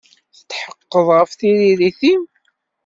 Tetḥeqqeḍ ɣef tririt-im?